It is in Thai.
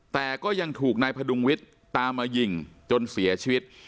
แต่ก็ยังถูกนายพดุงวิทย์ตามมายิงจนเสียชีวิต